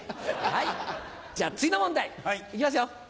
はいじゃあ次の問題いきますよ。